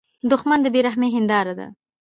دښمن د بې رحمۍ هینداره ده